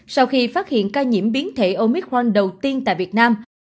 sau khi phát hiện ca nhiễm biến thể omicron đầu tiên tại việt nam